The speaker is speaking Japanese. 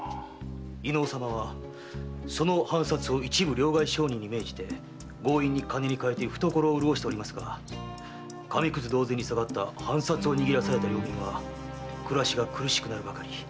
飯尾様はその藩札を一部両替商人に命じて強引に金に換えて懐を潤しておりますが紙屑同然に下がった藩札を握らされた領民は暮らしが苦しくなるばかり。